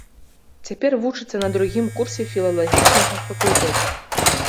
Цяпер вучыцца на другім курсе філалагічнага факультэта.